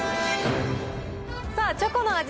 さあ、チョコの味